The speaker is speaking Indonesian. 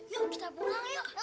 yuk kita pulang yuk